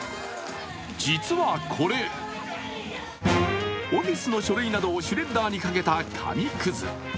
実はこれオフィスの書類などをシュレッダーにかけた紙くず。